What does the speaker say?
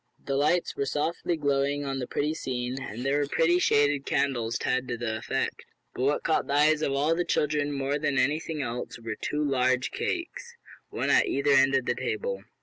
The lights were softly glowing on the pretty scene, and there were prettily shaded candles to add to the effect. But what caught the eyes of all the children more than anything else were two large cakes one at either end of the table.